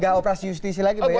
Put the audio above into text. gak operasi justisi lagi bang ya